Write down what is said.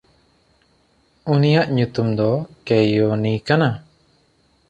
ᱩᱱᱤᱭᱟᱜ ᱧᱩᱛᱩᱢ ᱫᱚ ᱠᱮᱭᱚᱱᱤ ᱠᱟᱱᱟ᱾